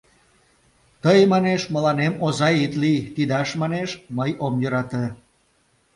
— Тый, манеш, мыланем оза ит лий, тидаш, манеш, мый ом йӧрате.